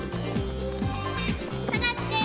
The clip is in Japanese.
さがって！